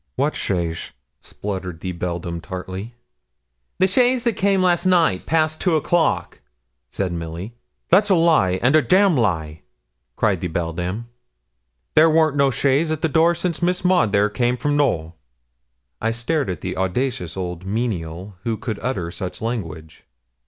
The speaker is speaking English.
'What chaise?' spluttered the beldame tartly. 'The chaise that came last night, past two o'clock,' said Milly. 'That's a lie, and a damn lie!' cried the beldame. 'There worn't no chaise at the door since Miss Maud there come from Knowl.' I stared at the audacious old menial who could utter such language.